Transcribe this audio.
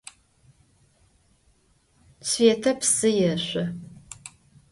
Svêta psı yêşso.